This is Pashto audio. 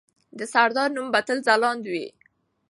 د سردار نوم به تل ځلانده وي.